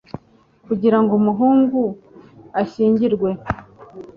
kugira ngo umuhungu ashyingirwe